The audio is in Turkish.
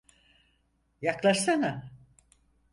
Yaklaşsana!